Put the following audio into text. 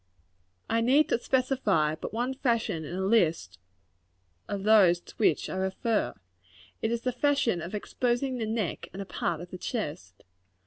] I need to specify but one fashion in the list of those to which I refer. It is the fashion of exposing the neck and a part of the chest.